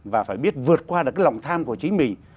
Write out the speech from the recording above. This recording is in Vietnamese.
và phải biết vượt qua được cái lòng tham của chính mình